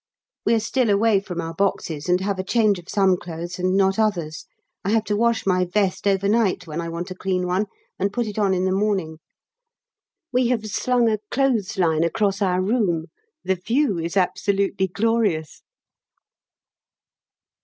We are still away from our boxes, and have a change of some clothes and not others. I have to wash my vest overnight when I want a clean one and put it on in the morning. We have slung a clothes line across our room. The view is absolutely glorious.